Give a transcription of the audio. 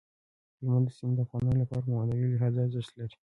هلمند سیند د افغانانو لپاره په معنوي لحاظ ارزښت لري.